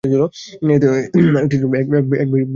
এতে ছিল এক ভীষণ দিনের শাস্তি।